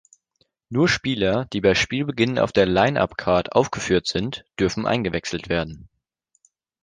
Nur Spieler, die bei Spielbeginn auf der Line-up-Card aufgeführt sind, dürfen eingewechselt werden.